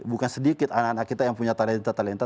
bukan sedikit anak anak kita yang punya talenta talenta